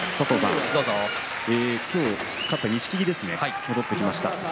今日勝った錦木が戻ってきました。